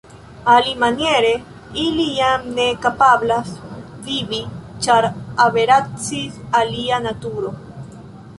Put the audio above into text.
Alimaniere ili jam ne kapablas vivi, ĉar aberaciis ilia naturo.